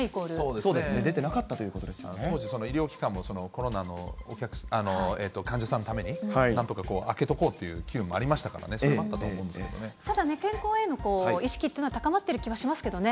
そうですね、出てなかったと当時、その医療機関も、コロナの患者さんのために、なんとか空けとこうっていう機運もありましたからね、ただね、健康への意識っていうのは高まってる気はしますけどね。